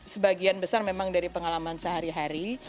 sebagian besar memang dari pengalaman sehari hari